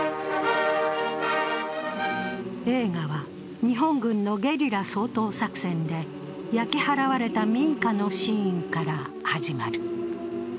映画は日本軍のゲリラ掃討作戦で焼き払われた民家のシーンから始まる。